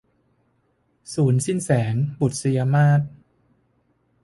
สูรย์สิ้นแสง - บุษยมาส